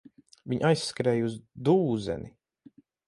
Viņi aizskrēja uz dūzeni.